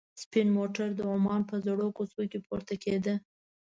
سپین موټر د عمان په زړو کوڅو کې پورته کېده.